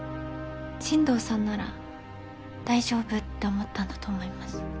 進藤さんなら大丈夫って思ったんだと思います。